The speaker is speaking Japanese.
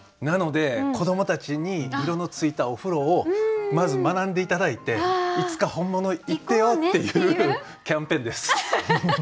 なので子どもたちに色のついたお風呂をまず学んで頂いていつか本物行ってよっていうキャンペーンです。